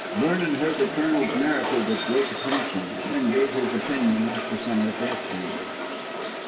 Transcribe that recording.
Vernon heard the Colonel's narrative with great attention, then gave his opinion after some reflection.